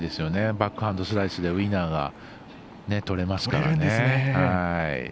バックハンドスライスでウィナーがとれますからね。